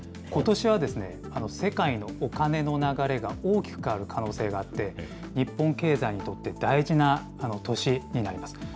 ことしは世界のお金の流れが大きく変わる可能性があって、日本経済にとって大事な年になります。